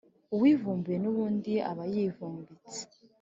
Uwivumbuye n’ubundi aba yivumbitse.